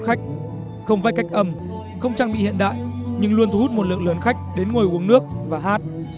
khách không vai cách âm không trang bị hiện đại nhưng luôn thu hút một lượng lớn khách đến ngồi uống nước và hát